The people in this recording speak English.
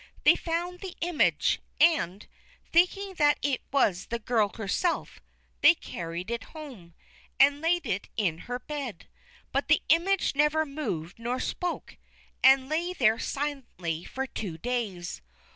They found the image, and, thinking that it was the girl herself, they carried it home, and laid it in her bed. But the image neither moved nor spoke, and lay there silently for two days.